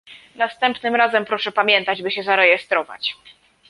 Następnym razem proszę pamiętać, by się zarejestrować